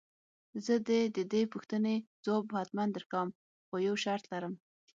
زه دې د دې پوښتنې ځواب حتماً درکوم خو يو شرط لرم.